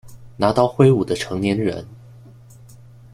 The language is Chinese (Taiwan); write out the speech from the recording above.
拿刀揮舞的成年人